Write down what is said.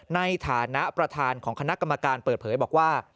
ในฐานะประธานของคณะกรรมการเปิดเผยบอกว่า